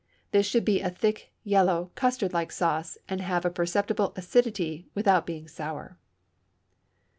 This should be a thick, yellow, custard like sauce, and have a perceptible acidity without being sour.